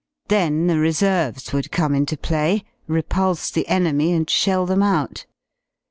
Then the reserves would come into play, repulse the enemy and shell them out.